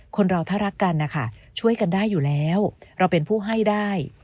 คนเราถ้ารักกันนะคะช่วยกันได้อยู่แล้วเราเป็นผู้ให้ได้